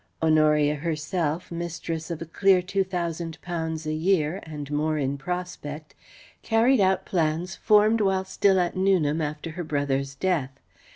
Honoria herself, mistress of a clear two thousand pounds a year, and more in prospect, carried out plans formed while still at Newnham after her brother's death.